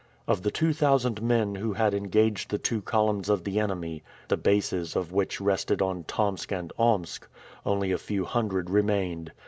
Of the two thousand men who had engaged with the two columns of the enemy, the bases of which rested on Tomsk and Omsk, only a few hundred remained.